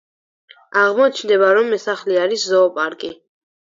აღმოჩნდება, რომ ეს სახლი არის ზოოპარკი.